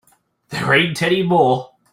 There ain't any more.